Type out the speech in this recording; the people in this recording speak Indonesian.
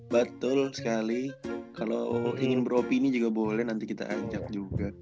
betul sekali kalau ingin beropini juga boleh nanti kita ajak juga